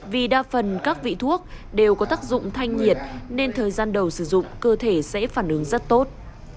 vì đa phần các vị thuốc đều có tác dụng thanh nhiệt nên thời gian đầu sử dụng cơ thể sẽ phản ứng rất tốt